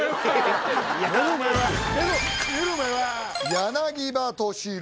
柳葉敏郎。